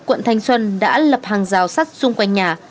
quận thanh xuân đã lập hàng rào sắt xung quanh nhà